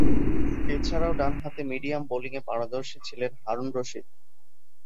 এছাড়াও, ডানহাতে মিডিয়াম বোলিংয়ে পারদর্শী ছিলেন হারুন রশীদ।